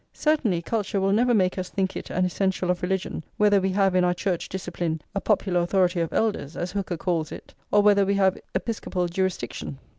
Certainly, culture will never make us think it an essential of religion whether we have in our Church discipline "a popular authority of elders," as Hooker calls [xxxvii] it, or whether we have Episcopal jurisdiction.